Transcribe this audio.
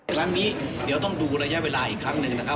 ครั้งนี้เดี๋ยวต้องดูระยะเวลาอีกครั้งหนึ่งนะครับ